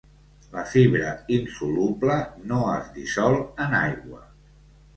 La fibra insoluble, no es dissol en aigua.